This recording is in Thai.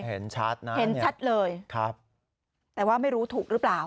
เห็นชัดนะเห็นชัดเลยครับแต่ว่าไม่รู้ถูกหรือเปล่า